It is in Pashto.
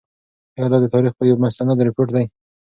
آیا دا د تاریخ یو مستند رپوټ دی؟